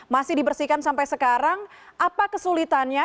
masih dibersihkan sampai sekarang apa kesulitannya